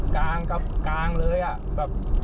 กางกับกางเลยอ่ะ